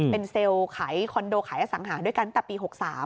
เป็นเซลล์ขายคอนโดขายอสังหาด้วยกันตั้งแต่ปี๖๓